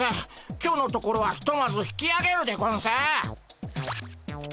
今日のところはひとまず引きあげるでゴンス。